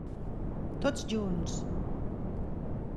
Tots Junts!